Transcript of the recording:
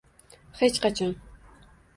hech qachon